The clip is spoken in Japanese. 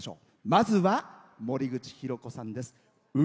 まずは森口博子さんです。